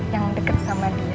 yang deket sama dia